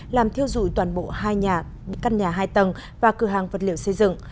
làm thiêu dụi toàn bộ hai căn nhà hai tầng và cửa hàng vật liệu xây dựng